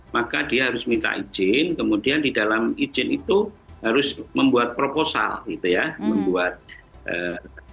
maka dia harus minta izin kemudian di dalam izin itu harus membuat proposal gitu ya